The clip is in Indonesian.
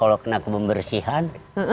nanti kalau kena kemembersihan